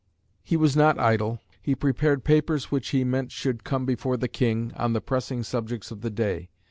He was not idle. He prepared papers which he meant should come before the King, on the pressing subjects of the day.